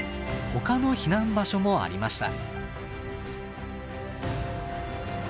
他の避難場所もありました。